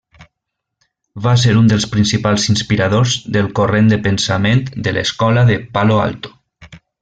Va ser un dels principals inspiradors del corrent de pensament de l'escola de Palo Alto.